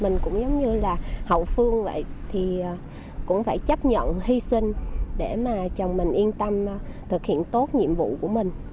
mình cũng giống như là hậu phương vậy thì cũng phải chấp nhận hy sinh để mà chồng mình yên tâm thực hiện tốt nhiệm vụ của mình